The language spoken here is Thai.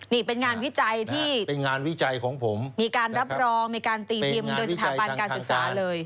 นี่เป็นงานวิจัยที่มีการรับรองมีการตีพิมพ์โดยสถาปันการศึกษาเลย